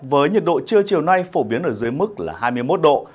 với nhiệt độ trưa chiều nay phổ biến ở dưới mức là hai mươi một độ